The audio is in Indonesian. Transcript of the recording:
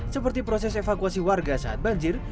seperti proses evakuasi warga saat banjir